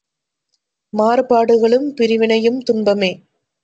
மாறுபாடுகளும் பிரிவினையும் துன்பமே!